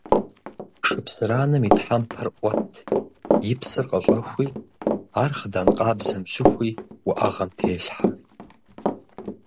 Шыпсыранэм и тхьэмпэр Ӏуэт, и псыр къыщӀэхуи, ар хъыдан къабзэм щыхуи уӀэгъэм телъхьэ.